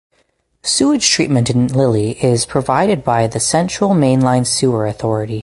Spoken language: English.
Sewage treatment in Lilly is provided by the Central Mainline Sewer Authority.